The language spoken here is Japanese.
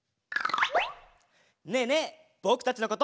ねえねえぼくたちのことよんだ？